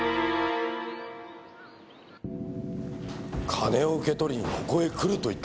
金を受け取りにここへ来ると言ったんですね？